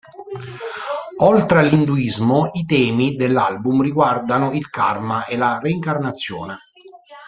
Oltre all'induismo, i temi dell'album riguardano il karma e la reincarnazione.